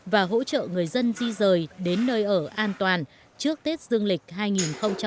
và hỗ trợ người dân di rời đến nơi ở an toàn trước tết dương lịch hai nghìn hai mươi